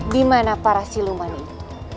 dimana para siluman itu